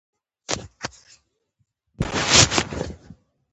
د انسان هڅې د مالکیت سبب ګرځي.